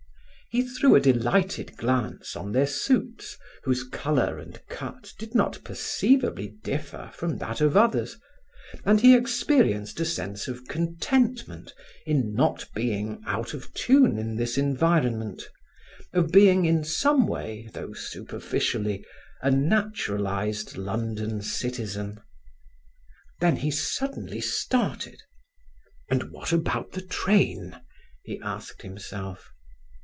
He threw a delighted glance on their suits whose color and cut did not perceivably differ from that of others, and he experienced a sense of contentment in not being out of tune in this environment, of being, in some way, though superficially, a naturalized London citizen. Then he suddenly started. "And what about the train?" he asked himself.